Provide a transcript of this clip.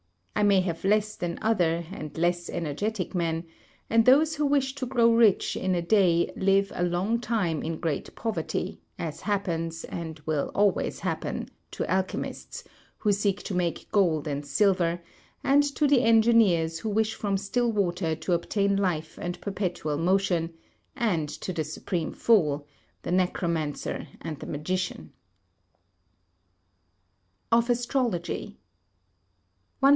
I may have less than other and less energetic men; and those who wish to grow rich in a day live a long time in great poverty, as happens, and will always happen, to alchemists, who seek to make gold and silver, and to the engineers who wish from still water to obtain life and perpetual motion, and to the supreme fool, the necromancer and the magician. [Sidenote: Of Astrology] 100.